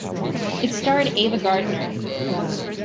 It starred Ava Gardner.